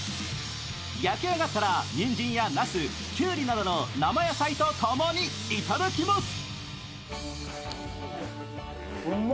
焼き上がったら、にんじんや、なす、きゅうりなどの生野菜とともにいただきます。